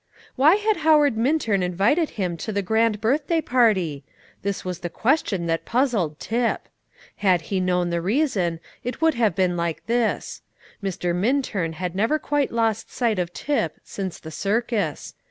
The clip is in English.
Why had Howard Minturn invited him to the grand birthday party? This was the question that puzzled Tip. Had he known the reason, it would have been like this: Mr. Minturn had never quite lost sight of Tip since the circus.